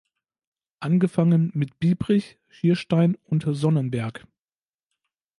Angefangen mit Biebrich, Schierstein und Sonnenberg.